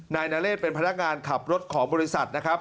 นายนเรศเป็นพนักงานขับรถของบริษัทนะครับ